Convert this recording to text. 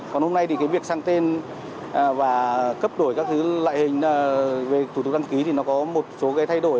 còn hôm nay việc sang tên và cấp đổi các loại hình về thủ tục đăng ký có một số thay đổi